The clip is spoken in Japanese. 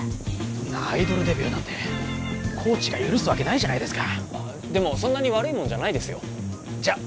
そんなアイドルデビューなんてコーチが許すわけないじゃないですかでもそんなに悪いもんじゃないですよじゃ